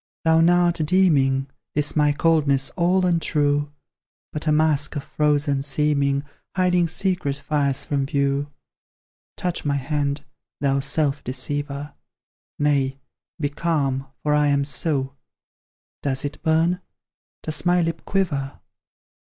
Thou now art deeming This my coldness all untrue, But a mask of frozen seeming, Hiding secret fires from view. Touch my hand, thou self deceiver; Nay be calm, for I am so: Does it burn? Does my lip quiver?